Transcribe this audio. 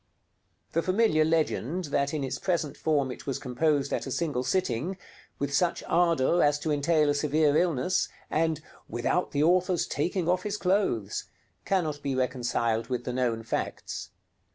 The familiar legend that in its present form it was composed at a single sitting, with such ardor as to entail a severe illness, and "without the author's taking off his clothes," cannot be reconciled with the known facts.